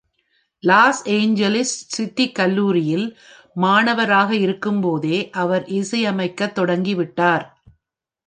Loss Angeles city கல்லூரியில் மாணவராக இருக்கும்போதே அவர் இசையமைக்கத் தொடங்கிவிட்டார்.